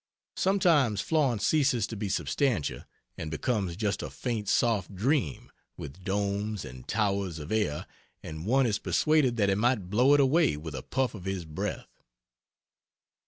Sometimes Florence ceases to be substantial, and becomes just a faint soft dream, with domes and towers of air, and one is persuaded that he might blow it away with a puff of his breath.